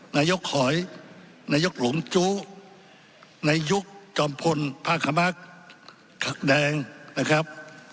นายกหอยนายกหลงจู้นายกจอมพลภาคมักขักแดงนะครับ